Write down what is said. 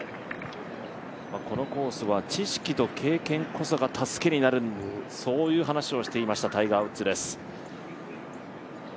このコースは知識と経験こそが助けになるという話をしていました、タイガー・ウッズです。